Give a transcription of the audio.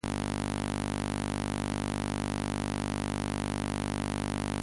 Recibe su nombre en honor del insigne intelectual español.